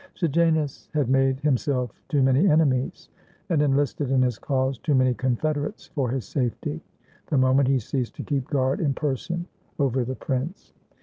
Sejanus had made himself too many enemies, and en listed in his cause too many confederates, for his safety, the moment he ceased to keep guard in person over the prince.